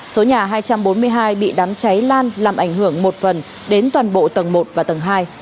số nhà hai trăm bốn mươi hai bị đám cháy lan làm ảnh hưởng một phần đến toàn bộ tầng một và tầng hai